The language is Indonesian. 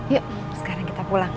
yuk sekarang kita pulang